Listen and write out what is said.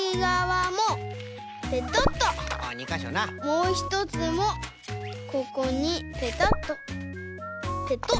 もうひとつもここにペタッと。